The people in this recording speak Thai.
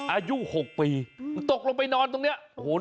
อายุ๖ปีตกลงไปนอนตรงนี้